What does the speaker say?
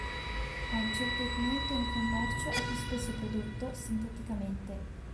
Oggi il pigmento in commercio è più spesso prodotto sinteticamente.